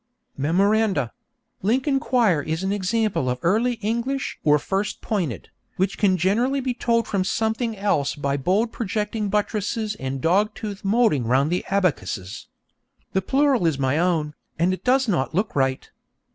Memoranda: _Lincoln choir is an example of Early English or First Pointed, which can generally be told from something else by bold projecting buttresses and dog tooth moulding round the abacusses._ (The plural is my own, and it does not look right.)